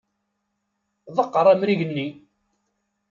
Ḍeqqer amrig-nni!